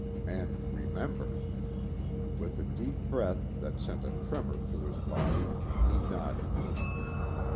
And remember. With a deep breath that sent a tremor through his body, he nodded.